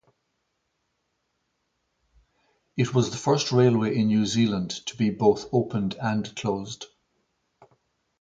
It was the first railway in New Zealand to be both opened and closed.